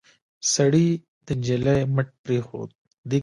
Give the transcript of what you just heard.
سړي د نجلۍ مټ پرېښود.